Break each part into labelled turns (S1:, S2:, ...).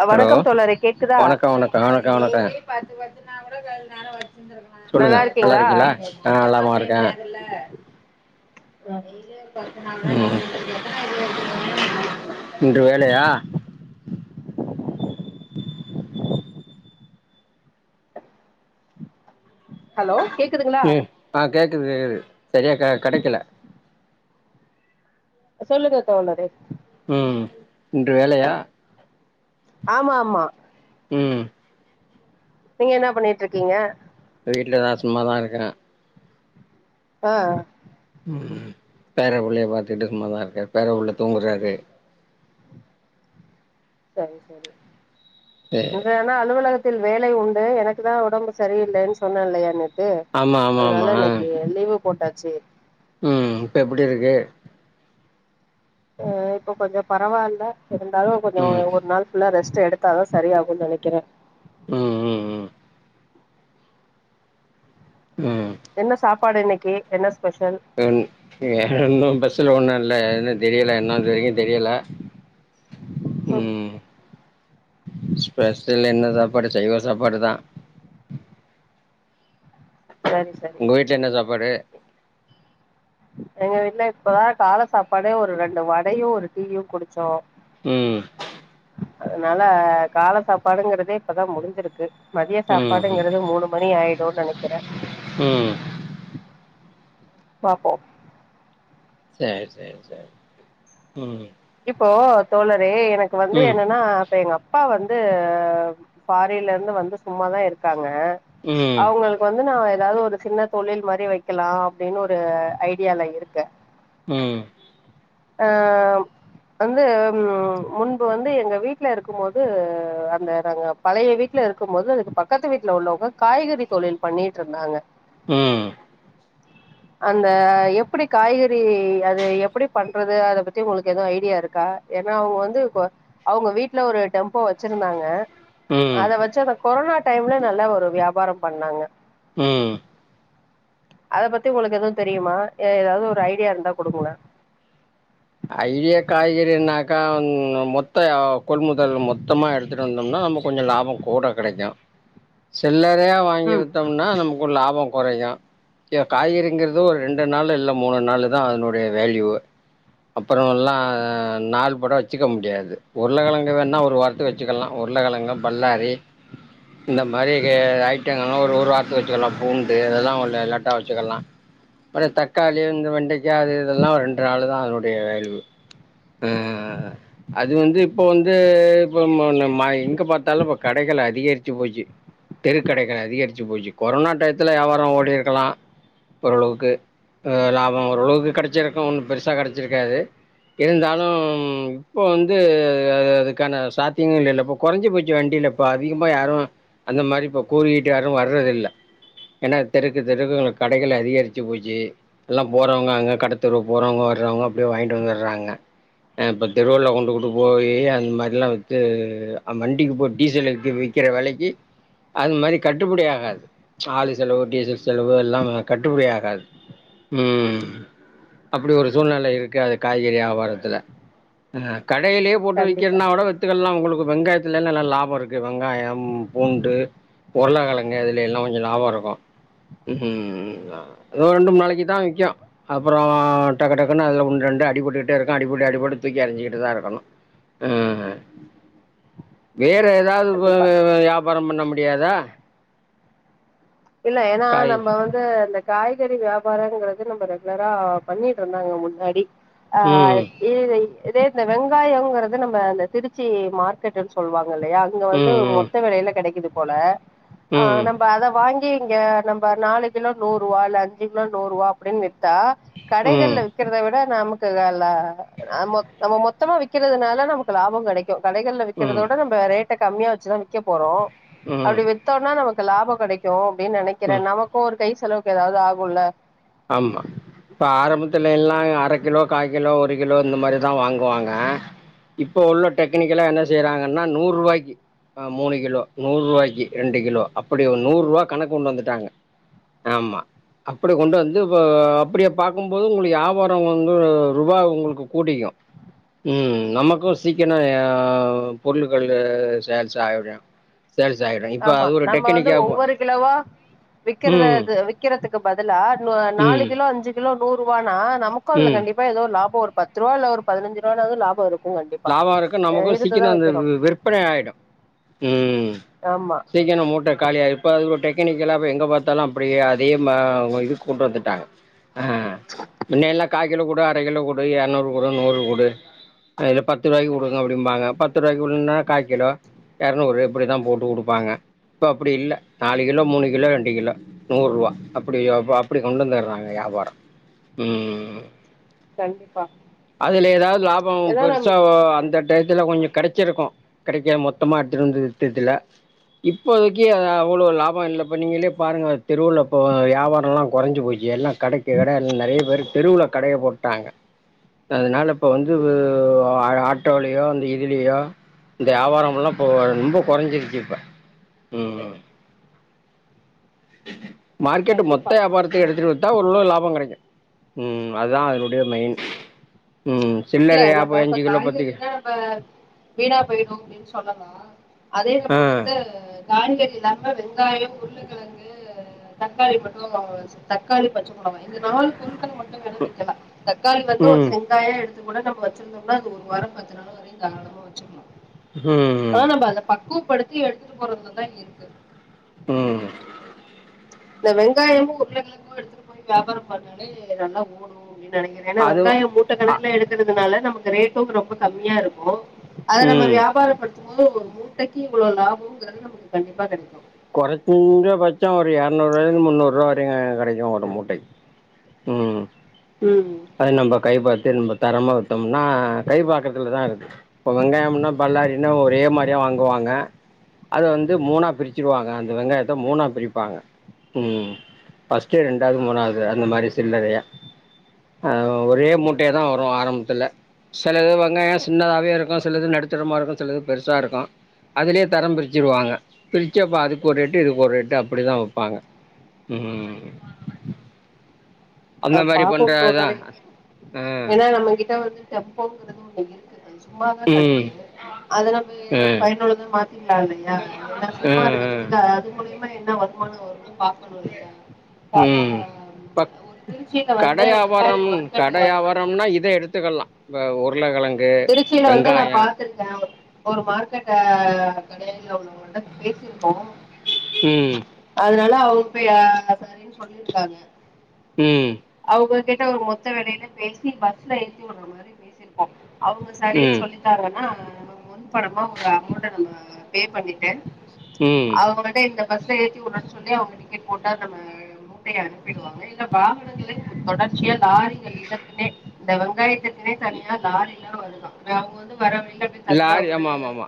S1: அ
S2: hello
S1: வணக்கம் தோழரே கேக்குதா
S2: வணக்கோ வணக்கோ வணக்கோ வணக்கோ சொல்லுங்க
S1: நல்லா இருக்கீங்களா
S2: நல்லாருக்கீங்களா நா நலமா இருக்கே ம் இன்று வேலையா
S1: ஹலோ கேக்குதுங்ளா
S2: ம் ஆ கேக்குது கேக்குது செரியா கடைக்கல
S1: சொல்லுங்க தோழரே
S2: ம் இன்று வேலையா
S1: ஆமா ஆமா
S2: ம்
S1: நீங்க என்னா பண்ணிட்ருக்கீங்க
S2: வீட்லதா சும்மாதா இருக்குற
S1: ஆ
S2: ம் பேர புள்ளைய பாத்துட்டு சும்மாதா இருக்க பேர புள்ள தூங்குறாரு
S1: செரி செரி
S2: சேரி
S1: இந்த நா அலுவலகத்தில் வேலை உண்டு எனக்குதா உடம்பு செரியில்லன் சொன்ன இல்லையா நேத் கு
S2: ஆமா ஆமா ஆமா
S1: அதனால இன்னிக்கி லீவு போட்டாச்சு
S2: ம் இப்ப எப்டி இருக்கு
S1: ஆ இப்போ கொஞ்சோ பரவால இருந்தாலு கொஞ்சோ
S2: ம்
S1: ஒரு நாள் ஃபுல்லா ரெஸ்ட் எடுத் தாதா செரி ஆகுன் நனைக்கிற
S2: ம் ம் ம் ம்
S1: என்ன சாப்பாடு இன்னக்கி என்ன ஸ்பெஷல்
S2: இன் வேறொன்னு ஸ்பெஸல் ஒன்னு இல்ல தெரியல என்ன இது வரைக்கு தெரியல
S1: ம்
S2: ம் ஸ்பெஷல் என்ன சாப்பாடு சைவ சாப்பாடுதா
S1: செரி செரி
S2: உங்க வீட்ல என்ன ‌‌‌‌சாப்பாடு
S1: எங்க வீட்ல இப்பதா கால சாப்பாடே ஒரு ரெண்டு வடையு ஒரு டீயு குடிச்சோ
S2: ம்
S1: அதுனால கால சாப்பாடுங்கறதே இப்பதா முடிஞ்சிருக்கு மதிய
S2: ம் ம்
S1: சாப்பாடுங்குறது மூனு மணி ஆயிடும்னு நெனைக்கிற
S2: ம்
S1: பாப்போ
S2: சேரி சேரி சேரி ம்
S1: இப்போ தோழர எனக்கு வந்து
S2: ம்
S1: என்னன்னா அப்ப எங் அப்பா வந்து பாரின்லருந்து வந்து சும்மாதா இருக்காங்க
S2: ம்
S1: அவங்களுக் கு இப்ப வந்து நா ஏதாவது ஒரு சின்ன தொழில் மாரி வக்கலா அப்டினு ஒரு ஐடியாலருக்கே
S2: ம்
S1: ஆ வந்து உ முன்பு வந்து எங்க வீட்ல இருக்கும் போது அந்த நாங்க பழய வீட்டுல இருக்கும்போது அதுக் பக்கத்து வீட்ல உள்ளவங்க காய்கறி தொழில் பண்ணிட்டுருந்தாங்க
S2: ம்
S1: அந்த எப்டி காய்கறி அது எப்படி பண்றது அத பத்தி உங்களுக்கு எது ஐடியா இருக்கா ஏனா அவங்க வந்து இப்ப அவங்க வீட்ல ஒரு டெம்போ வச்சிருந்தாங்க
S2: ம்
S1: அத வச்சு அந்த கொரனா டைம்ல நல்லா ஒரு வியாபாரம் பண்ணாங்க
S2: ம்
S1: அத பத்தி உங்களுக்கு எதுவும் தெரியுமா எ ஏதாவது ஒரு ஐடியா இருந்தா கொடுங்களே
S2: ஐடியா காய்கறின்னாக்க மொத்த கொள்முதல் மொத்தமா எடு த்திட்டு வந்தம்னா நம்ம கொஞ்ச லாபம் கூட கெடக்கு சில்லர் றையா வாங்கி
S1: ம்
S2: வித்தோம்னா நமக்கு லாப கொறையு இ காய்கறிங்கிறது ஒரு ரெண்டு நாள் இல்ல மூணு நாள் தா அதனுடய வேல்யூ அப்புறல்லா நாள் பட வச்சுக்க முடியாது உருளகெழங்க வேணா ஒரு வார்த்து வச் சுக்லா உருளக்கெழங்கு பல்லாரி இந்த மாரி ஐட்டங்கலா ஒரு ஒரு வாரத்து வச்சுக்கலா பூண்டு அதெலா உள்ள லேட்டா வச்சுக்கலா அப்ற தக்காளி இந்த வெண்டக்காய் அது இதல்லா ஒரு ரெண்டு நாளு தா அதனுடய வேல்யு ம் ஆ ஆ அது வந்து இப்ப வந்து இப்ப எங்க பாத்தாலு இப்ப கடைகள் அதிகரிச்சு போச்சி தெருக்கடைக்களை அதிகரிச்சு போயச்சு கொரோனா டயத்துல வியாபாரம் ஓடிருக்கலா ஓரளவுக்கு லாபம் ஓரளவுக்கு கெடைச்சிருக்கும் ஒன்னு பெருசா கெடைச்சிருக்காது இருந்தாலு இப்ப வந்து அது அதுக்கான சாத்தியங்கள் இல்லபா கொறஞ்சு போச்சு வண்டியில இப்ப அதிகமா யாரும் அந்த மாரி இப்ப கூவுக்கிட்டு யாரும் வர்றது இல்ல ஏனா தெருக்கு தெருவுக்கு கடைகள் அதிகரிச்சு போச்சு எல்லாபோறவங்க அங்க கடத்தெருக்கு போறவங்க வர்றவங்க அப்டியே வாங்கிட்டு வந்தறாங்க ஆ இப்ப தெருவுல கொண்டுக்குட்டு போய் அந்த மாரிலா வித்து அவ வண்டிக்கு போய் டீசல் எக்கு வித் விக்கிற வெலக்கி அது மாரி கட்டுப்படி ஆகாது ஆளு செலவு டீசல் செலவு எல்லாம் கட்டுப்படி ஆகாது ம் அப்டி ஒரு சூழ்நில இருக் க்கு அது காய்கறி வியாபாரத்துல கடையிலயே போட்டு
S1: கண்டிப்பா
S2: விக்கிறனா கூட த்துக்கல்லா உங்களுக்கு வெங்காயத்துலல்லா நல்லா லாபம் இருக்கு வெங்காயம் பூண்டு உருளக்கெழங்கு அதுல எல்லா கொஞ்சோ லாப இருக்கு ம் ஏதோ ரெண்டு மு நாளக்கி தா விக்கும் அப்புற வ டக்கு டக்குன்னு அ உண் ரெண்டு அடிபட்டுக்கிட்டே இருக்கு அடிபட்டு அடிபட்டு தூக்கி எருஞ்சுக்கிட்டுதா இருக்கணு ம் வேற ஏதாவது
S1: கண்டிப்பா
S2: வ வியாபாரம் பண்ண முடியாதா
S1: இல்ல ஏனா
S2: காய்
S1: நம்ப வந் இந்த இந்த காய்கறி வியாபாரங்கிறது நம்ம ரெகுலரா பண்ணிட்டு இருந்தாங்க முன்னாடி அ
S2: ம்.
S1: இ இதே இந்த வெங்காயம்ங்கறது நம்ப அந்த திருச்சி மார் கட்டு சொல்லுவாங்க இல்லையா அங்க
S2: ம்
S1: வந்து
S2: ம்
S1: மொத்த விலையில கிடைக்குது போல ஆ நம்ப அத வா ங்கி இங்க நம்ம நாலு கிலோ நூறு ரூவால அஞ்சு கிலோ நூறு ரூவா அப்டின்னு நிறத்தா கடைகள்ல
S2: ம்
S1: விக்கிறத விட நமக்கு ல அ மொத் நம்ம மொத்தமா விக்கிறதுனால நமக்கு லாபம் கிடைக் க்கு கடைகல் ல
S2: ம்
S1: விக்கறத விட நம்ம ரேட்ட கம்மியா வச்சுதா விக்க போறோ
S2: ம்
S1: அப்டி வச் வித்தோனா நமக்கு லாபம் கெடக்கு அப்டின்னு நெனைக்கிறே
S2: ம்
S1: நமக்கு ஒரு கை செலவுக்கு எதாவது ஆகுல
S2: ஆமா இப்ப ஆரம்பத்துல எல்லா அர கிலோ கா கிலோ ஒரு கிலோ இந்த மாரிதா வாங்குவாங்க இப்ப உள்ள டெக்னிக்கலா என்ன செய்றாங்கன்னா நூறு ருவாய்க்கி அ மூணு கிலோ நூறு ரூவாய்க்கு ரெண்டு கிலோ அப்டி ஒரு நூறு ரூவா கணக்கு கொண்டு வந்துட்டாங்க ஆமா அப்டி கொண்டு வந் ந்து வ அப்டியே பாக்கும்போது உங்களுக்கு யாபாரம் வந்து ரூபா உங்களுக்கு கூடிக்கு ம் நமக்கும் சீக்கனோ எ பொருள்கள்ளு சேல்ஸ் ஆயிரு சேல்ஸ் ஆயிரு
S1: ஆமா நம்ப வந்து ஒவ்வொரு கிலோவா விக்கிறத
S2: ம்.
S1: த விக் விக்கிறதுக்கு பதிலா நு நாலு
S2: ம்.
S1: கிலோ அஞ்சு கிலோ நூறு ரரூவானா நமக்கு அதுல
S2: ம்.
S1: கண்டிப் பா ஏதோ ஒரு லாபம் ஒரு பத்து ரூவா இல்ல ஒரு பதினஞ்சு ரூவானாது லாபம் இருக்
S2: லாபம் இருக்கு நமக்கு சீக்கினோ அந்த விற்பனை ஆயிடும் ம்
S1: ஆமா
S2: சீக்கினோ மூட்ட காலியாயிரு இப்ப அது ஒரு டெக்னிக்கலாவே எங்க பாத்தாலு அப்டியே அதே ம இது கொண்டு வந்துட்டாங்க
S1: [inaudible]
S2: ஆ முன்னெல்லா கா கிலோ குடு அர கிலோ குடு எள் நூறு குடு நூறு குடு அதுல பத்து ரூவாய்கு குடுங்க அப்டிம்பாங்க பத்து ரூவாய் உள் நின்னா கா கிலோ எரநூறு இப்டிதா போட்டு குடுப்பாங்க இப்ப அப்டி இல்ல நாலு கிலோ மூணு கிலோ ரெண்டு கிலோ நூறு ரூவா அப்டி அப் அப்டி கொண்டு வந்துடுறாங்க வியாபாரம் ம்
S1: கண்டிப்பா
S2: அதுல எதாவது லாபோ
S1: ஏன்னா நம்
S2: பெருசா அந்த டையத்துல கொஞ்சோ கெடச்சிருக்கு கெடைக்க மொத்தமா எத்துனு வந்து வித்ததுல இப்போதைக்கு அது அவ்ளோ லாபம் இல்லப்போ நீீங்களே பாருங்க அ தெருவுல இப்போ யாபாரம்லா கொறஞ்சு போச்சு எல்லா கடைக்கு கட இல் நெறைய பேரு தெருவுல கடைய போட்டாங்க அதனால இப்ப வந்து
S1: ம்
S2: அது ஆட்டோலயோ அந்த இதுலயோ இந்த யாபாரம்லா இப்போ ரொம்ப கொறஞ்சிருச்சு இப்ப ம்
S1: [inaudible]
S2: மார்கெட்டு மொத்த
S1: கண்டிப்பா
S2: யாபாரத்தையு எடுத்துட்டு வந் ட்டா ஒரளவு லாபோ கெடைக்கு ம் அதா அதனுடைய மெயின் ம்
S1: இல்ல
S2: சில்லரயா
S1: நம்ம
S2: போய் அஞ்சு கிலோ பத்து கி
S1: காய்கறினா இப்ப வீணா போயிடு அப்டின்னு சொன்னனா அதே
S2: ஆ
S1: நம்ம வந்து காய்கறி இல்லாம வெங்காயம் உருள கெழங்கு தக்காளி மட்டு தக்காளி பச்ச மொளவு இந்த நாலு பொருட்கள் மட்டு வேணா விக்கலா தக்காளி வந்து ஒரு
S2: ம்
S1: செங்காய எ அது கூட நம்ம வச்சிருந்தோம்னா அது ஒரு வாரம் பத்து நாள் வரையு தாராளமா வச்சிக்கலா
S2: ம்
S1: அதான நம்ம அத பக்குவப்படுத்தி எடுத்துட்டு போறதுலதா இருக்கு
S2: ஆ
S1: இந்த வெங்காயமு உருளகெழங்கு எடுத்துட்டு போய் வியாபாரம் பண்ணாலே நல்லா ஓடு அப்டி நெனைக்கிறே ஏன்னா
S2: அது
S1: வெங்காயோ மூட்ட
S2: அ
S1: கணக்குல எடுக்குறதுனால நமக்கு ரேட்டு ரொம்ப கம்மியா இருக்கு அத நம்ம
S2: ம்
S1: வியாபாரப்படுத்தும் போது ஒரு மூட்டைக்கு இவ்ளோ லாபங்குறது நமக்கு கண்டிப்பா கெடைக்கு
S2: கொறஞ்ச பட்சம் ஒரு எரநூறுவாய்லந்து முன்னூறுவா வரைக்கு கெடைக்கு ஒரு மூட்டைக்கு ம்
S1: ம்
S2: அது நம்ம கை பாத்து நம்ம தரமா வித்தோம்னா கை பாக்குறதுலதா இருக்கு இப்போ வெங்காயம்னா பலர் இன்னு ஒரே மாரிதா வாங்குவாங்க அத வந்து மூனா பிரிச்சிக்குவாங்க அந்த வெங்காயத்த மூனா பிரிப்பாங்க ம் ஃபஸ்ட்டு ரெண்டாது மூணாது அந்த மாரி சில்லறையா ஆ ஒரே மூட்டயா தா வரு ஆரம்பத்துல சிலது வெங்காயம் சின்னதாவே இருக்கும் சிலது நடுத்தரமா இருக்கும் சிலது பெருசா இருக்கும் அதிலயே தர பிரிச்சுடுவாங்க பிரிச்சப்போ அதுக்கு ஒரு ரேட்டு இதுக்கு ஒரு ரேட்டு அப்டி தா வப்பாங்க ம்
S1: ஆ
S2: அந்த மாரி
S1: பாப்ப
S2: பண்றதுதா
S1: தோழரே
S2: ஆ
S1: ஏன்னா நம்மகிட்ட வந்து எப்போங்கிறது இங்க இருக்கு அது சும்மாதான்
S2: ம்
S1: கெடக்கு அதை நம்ம
S2: ஆ
S1: ஏதாவது பயனுள்ளதா மா த்திக்கலா இல்லையா ஏன்னா
S2: ஆ
S1: சும்மா
S2: ஆ
S1: இருக்கறதுக்கு அது மூலியமா என்ன வருமானம் வணும்
S2: ம் பத்
S1: ஒரு திருச்சியில வந்து
S2: கடையாபாரம்
S1: வெங்காயம்
S2: கடை
S1: மார்க்கெட்
S2: வியாபாரம் இதை எடுத்துக்கலாம் இத உருளைக்கிழங்கு
S1: திருச்சில வந்து நா பா எடுத்திருக்க ஒரு மார்க்கெட்ட கடய வாங்க பேசிருக்கோ
S2: ம்
S1: அதனால அவங்க போய் சரின்னு சொல்லிருக்காங்க
S2: ம்
S1: அவுககிட்ட ஒரு மொத்த விலைல பேசி பஸ்ல ஏத்தியுடனு நெறய பேசிருக்கோ அவங்க சரின்
S2: ம்
S1: சொல்லிட்டாங்கன்னா முன் பணமா ஒரு அமௌன்ட்ட நம்ம பே பண்ணி தென்
S2: ம்
S1: அவங்க வந்து இந்த பஸ்ல ஏத்தி விட்ற சொல்லி அவங்க டிக்கெட் போட்டா நம்ம மு ரே அனுப்பிடுவாங்க இல்ல வாகனங்களை தொடர்ச்சியா லாரிகள் இதற்குனே இந்த வெங்காயத்துக் நெறய தனியா லாரிலா வருதா அவங்க வந்து வர வழில
S2: லாரி ஆமா ஆமா ஆமா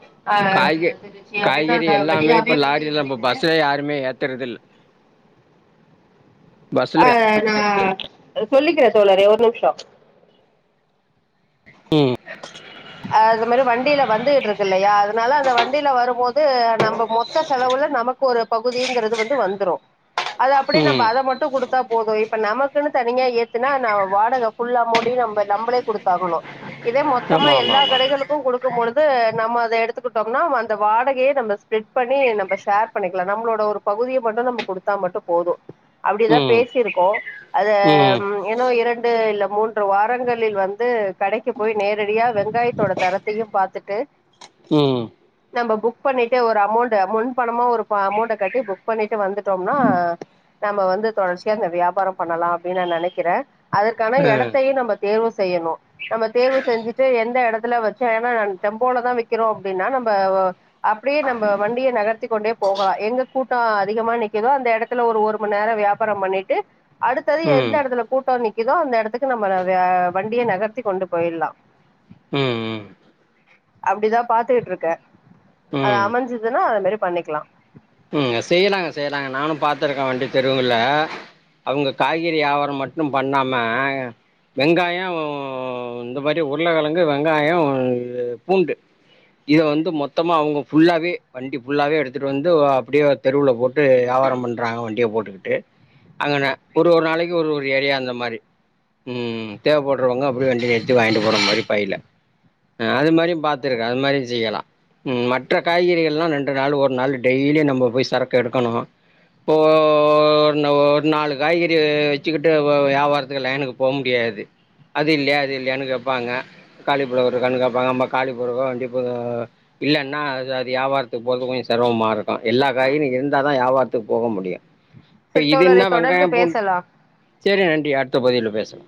S2: காய்கறி
S1: வந்துடுச்சு அப்படின்னு
S2: காய்கறி
S1: அந்த
S2: எல்லாமே
S1: வெளியாவே
S2: இப்ப லாரி
S1: வந்துகிட்டு
S2: இதுல நம்
S1: இருக்கு
S2: பஸ்லயாருமே ஏத்துறதில்ல
S1: ஆ
S2: பஸ்ல
S1: நா சொல்லிக்கிற தோழரே ஒரு நிமிஷ
S2: ம்
S1: அது மாதிரி வண்டில வந்துட்டு இருக்கு இல்லையா அதனால அந்த வண்டில வருபோது நம்ம மொத் மொத்த செலவுல நமக்கு ஒரு பகுதிங்கிறது வந்து வந்துரும் அது அப்டியே நம்ம
S2: ம்
S1: அத மட்டும் குடுத்து குத்தா போது இப்ப நமக்குன் தனியா ஏத்துனா ந வாடகை ஃபுல் அமௌன்ட்டையு நம்ம நம்மளே குடுத்தாகணு இதே மொத்தமா
S2: ஆமா ஆமா
S1: எல்லா
S2: ஆமா
S1: கடைகளுக்கு ட்டு குடுக்கு பொழுது நம்ம அத எடுத்துக்கிட்டோம்னா அந்த வாடகய நம்ம ஸ்ப்ரெட் பண்ணி நம்ப ஷேர் பண்ணிக்கலா நம்மளோட ஒரு பகுதிய மட்டு நம்ம குடுத்தா மட்டு போது அப்டிதா
S2: ம்
S1: பேசிருக்கோ அத
S2: ம்
S1: ஏன்னோ இரண்டு இல்ல மூன்று வாரங்களில் வந்து கடைக்கு போய் நே ரெடியா வெங்காயத்தோட தரத்தையும் பாத்துட்டு
S2: ம்
S1: நம்ம புக் பண்ணிட்டு ஒரு அமௌண்ட முன் பணமா ஒரு அமௌண்டை கட்டி புக் பண்ணிட்டு வந்துட்டோம்னா நம்ம வந்து தொடர்ச்சியா அந்த வியாபார பண்ணலா அப்டின் நா நெனைக்கிற அதற்கான
S2: அ
S1: இடத்தையு நம்ம தேர்வு செய்யணு நம்ம தேர்வு செஞ்சு ஃபர்ஸ்ட்டு எந்த இடத்துல வச்சோ ஏன்னா நம்ப டெம்போல தா வக்கீரோ அப்டின்னா நம்ப அப்டியே நம்ம வண்டிய நகர்த்திக்க கொண்டே போகலா எங்க கூட்டம் அதிகமா நிக்குதோ அந்த இடத் அதுல ஒரு ஒரு மணி நேர வியாபார பண்ணிட்டு அடுத்தது
S2: ம்
S1: எந்த இடத்துல கூட்ட நிக்குதோ அந்த இடத்துக்கு நம்ம வண்டிய நகர்த்தி கொண்டு போய்ட்லா
S2: ம் ம்
S1: அப்டிதான் பாத்துக்கிட்டு இருக்க அது
S2: ம்
S1: அமைஞ்சதுன்னா அத மாரி பண்ணிக்கலாம்
S2: மெஸ்ஸயே நாங்க செய்யல நானு பாத்துருக்க வண்டி தெருவுல அவங்க காய்கறி வியாவார மட்டு பண்ணாம வெங்காயம் இந்த மாதிரி உருளைக்கழங்கு வெங்காயம் பூண்டு இத வந்து மொத்தமா அவங்க ஃபுல்லாவே வண்டி ஃபுல்லாவே எடுத்துட்டு வந்து அப்டியே தெருவுல போட்டு வியாபார பண்றாங்க வண்டிய போட்டுக்கிட்டு அங்கனா ஒரு ஒரு நாளைக்கு ஒரு ஒரு ஏரியா அந்த மாரி ம் தேவைப்படுறவங்க அப்படியே வண்டி நிருத்தி வாங்கிட்டு போற மாரி பையில ஆ அது மாரி பாத்துருக்கே அது மாதிரியு செய்யலா உம் மற்ற காய்கறிகள் எல்லா ரெண்டு நாள் ஒரு நாள் டெய்லி நம்ம போய் சரக்கு எடுக்கணு இப்ப ஒரு ஒரு நாலு காய்கறி வெச்சுக்கிட்டு வியாபாரத்துக்கு லைனுக்கு போ முடியாது அது இல்லையா அது இல்லையான்னு கேப்பாங்க தக்காளி புழ இருக்கானு கேப்பாங்க அம் தக்காளி புழக்க வண்டிப்ப இல்ன்னா அது அது வியாபாரத்துக்கு போறது கொஞ்சு செரமமா இருக்கு எல்லா காய்கறி இருந்தாதா வியாவாரத்துக்கு போக முடியு இப்ப
S1: சரி
S2: இது என்ன
S1: தோழரே தொடர்ந்து
S2: வெங்காயம் பூண்டு
S1: பேசலாம்
S2: செரி நன்றி அடுத்த பதிவுள பேசலா